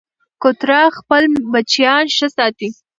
کوتره خپل بچیان ښه ساتي.